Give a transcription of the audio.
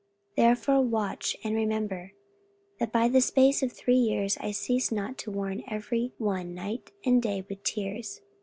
44:020:031 Therefore watch, and remember, that by the space of three years I ceased not to warn every one night and day with tears.